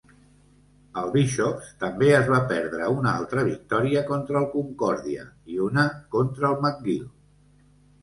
El Bishop's també es va perdre una altra victòria contra el Concordia i una contra el McGill.